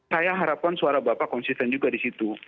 saya harapkan suara bapak konsisten juga di situ